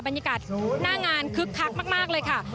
บรรยากาศหน้างานคึกคักมากเลยค่ะ